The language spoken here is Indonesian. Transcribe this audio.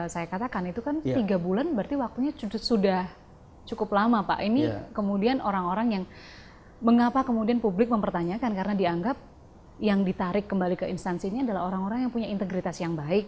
saya katakan itu kan tiga bulan berarti waktunya sudah cukup lama pak ini kemudian orang orang yang mengapa kemudian publik mempertanyakan karena dianggap yang ditarik kembali ke instansi ini adalah orang orang yang punya integritas yang baik